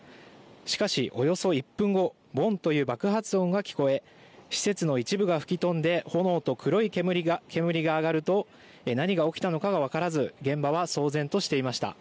しかしおよそ１分後、ボンという爆発音が聞こえ施設の一部が吹き飛んで炎と黒い煙が上がると何が起きたのか分からず現場は騒然としていました。